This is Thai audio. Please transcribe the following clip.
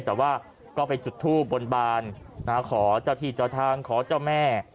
แต่ว่าก็ไปจุดทูบบนบานขอเจ้าที่เจ้าทางขอเจ้าแม่